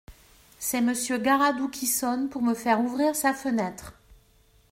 C’est Monsieur Garadoux qui sonne pour me faire ouvrir sa fenêtre.